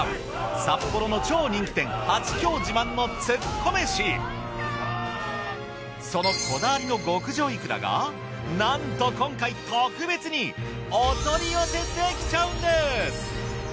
札幌の超人気店そのこだわりの極上いくらがなんと今回特別にお取り寄せできちゃうんです！